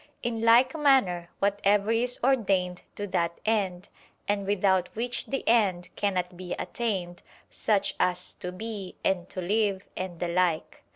In like manner whatever is ordained to that end, and without which the end cannot be attained, such as "to be" and "to live," and the like.